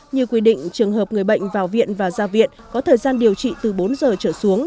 như quy định trường hợp người bệnh vào viện và ra viện có thời gian điều trị từ bốn giờ trở xuống